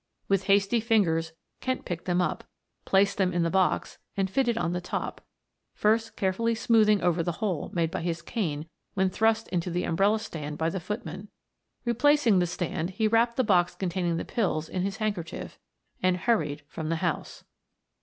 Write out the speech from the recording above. With hasty fingers Kent picked them up, placed them in the box, and fitted on the top, first carefully smoothing over the hole made by his cane when thrust into the umbrella stand by the footman. Replacing the stand he wrapped the box containing the pills in his handkerchief and hurried from the house.